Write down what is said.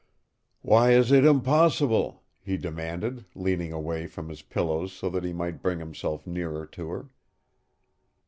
"Why is it impossible?" he demanded, leaning away from his pillows so that he might bring himself nearer to her.